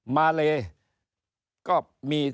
มาเลก็มี